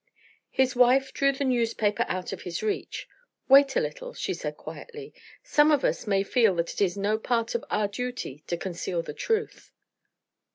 His wife drew the newspaper out of his reach. "Wait a little," she said, quietly; "some of us may feel that it is no part of our duty to conceal the truth."